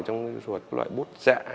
trong loại bút dạ